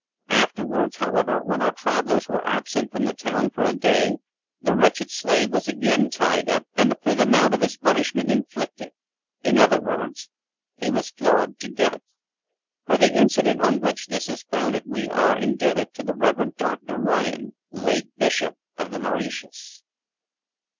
Afterwards, however, when our travellers were absent from the town for a day, the wretched slave was again tied up, and the full amount of his punishment inflicted; in other words, he was flogged to death. [For the incident on which this is founded we are indebted to the Reverend Doctor Ryan, late Bishop of the Mauritius.